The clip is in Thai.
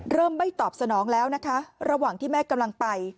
ไม่ตอบสนองแล้วนะคะระหว่างที่แม่กำลังไป